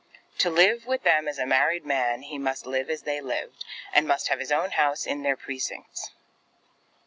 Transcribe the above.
To live with them as a married man, he must live as they lived; and must have his own house in their precincts.